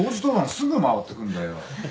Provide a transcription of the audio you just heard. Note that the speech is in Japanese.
すぐ回ってくんだよ。